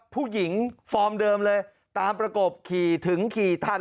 ผู้หญิงฟอร์มเดิมเลยตามประกบขี่ถึงขี่ทัน